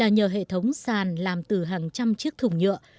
nhờ hệ thống sàn làm từ hàng trăm chiếc thùng nhựa